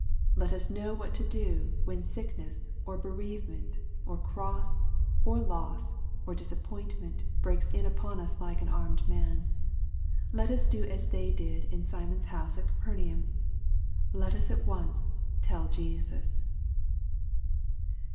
Let us know what to do, when sickness, or bereave ment, or cross, or loss, or disappointment breaks in upon us like an armed man. Let us do as they d:d in Simon's house at Capernaum. Let us at once " tell Jesus."